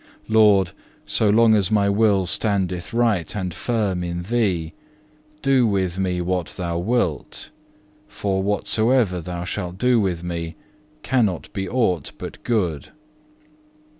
Lord, so long as my will standeth right and firm in Thee, do with me what Thou wilt, for whatsoever Thou shalt do with me cannot be aught but good.